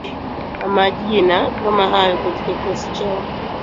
na majina kama hayo katika kikosi chake